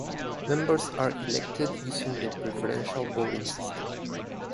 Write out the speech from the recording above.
Members are elected using the preferential voting system.